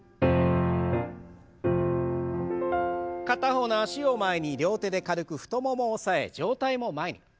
片方の脚を前に両手で軽く太ももを押さえ上体も前に。